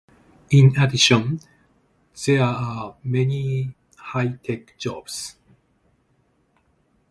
In addition, there are many high tech jobs.